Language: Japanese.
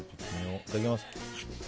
いただきます。